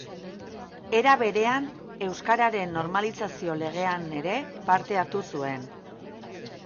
Era berean, Euskararen Normalizazio Legean ere parte hartu zuen.